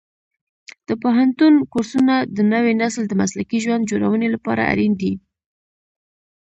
د پوهنتون کورسونه د نوي نسل د مسلکي ژوند جوړونې لپاره اړین دي.